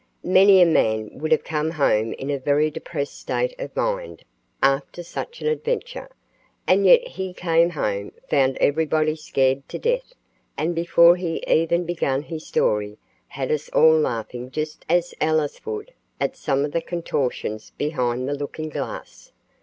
Many a man would have come home in a very depressed state of mind after such an adventure. And yet he came home, found everybody scared to death, and before he even began his story had us all laughing just as Alice would at some of the contortions behind the looking glass.